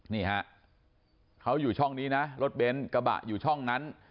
นี่ฮะเขาอยู่ช่องนี้นะรถเบนท์กระบะอยู่ช่องนั้น